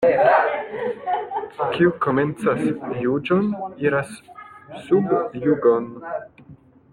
Kiu komencas juĝon, iras sub jugon.